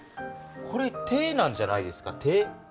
これ手なんじゃないですか？